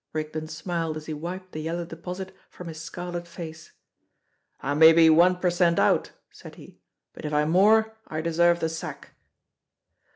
Rigden smiled as he wiped the yellow deposit from his scarlet face. "I may be one per cent. out," said he; "but if I'm more I deserve the sack."